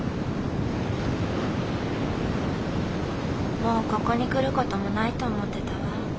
もうここに来る事もないと思ってたわ。